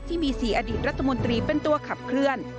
ที่มี๔อดีตรัฐมนตรีเป็นตัวขับเคลื่อน